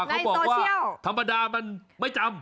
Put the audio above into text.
เขาบอกว่าธรรมดามันไม่จำ